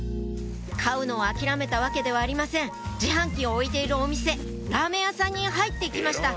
買うのを諦めたわけではありません自販機を置いているお店ラーメン屋さんに入って行きました